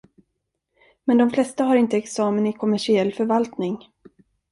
Men de flesta har inte examen i kommersiell förvaltning.